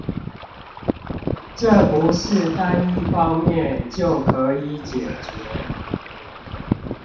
這不是單一方面就可以解決